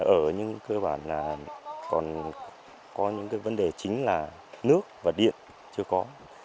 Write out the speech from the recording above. ở nhưng cơ bản là còn có những cái vấn đề chính là nước và điện chưa có